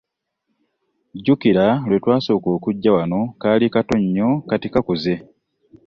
Jjukira lwe twasooka okujja wano kaali kato nnyo naye kati kakuze!